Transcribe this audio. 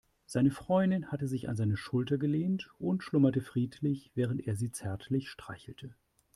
Seine Freundin hatte sich an seine Schulter gelehnt und schlummerte friedlich, während er sie zärtlich streichelte.